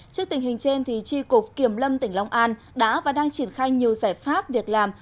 trước tình hình trên tri cục kiểm lâm tỉnh long an đã và đang triển khai nhiều giải pháp việc làm